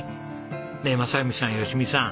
ねえ正文さん吉美さん